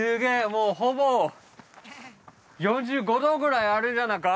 もうほぼ４５度ぐらいあるんじゃなか？